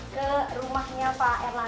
ke rumahnya pak erlang jahartarto